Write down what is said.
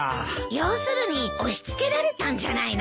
要するに押し付けられたんじゃないの？